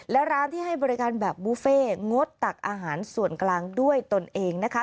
และร้านที่ให้บริการแบบบุฟเฟ่งดตักอาหารส่วนกลางด้วยตนเองนะคะ